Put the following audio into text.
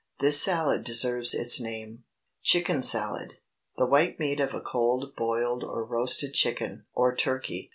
This salad deserves its name. CHICKEN SALAD. ✠ The white meat of a cold boiled or roasted chicken (or turkey).